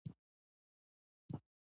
خو حالت او اوضاع تر دې هم ناوړه کېدای شي.